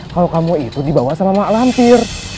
kalau kamu itu dibawa sama mak lampir